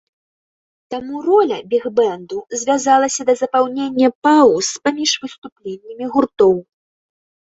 Таму роля біг-бэнду звялася да запаўнення паўз паміж выступленнямі гуртоў.